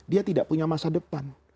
dia tidak punya masa depan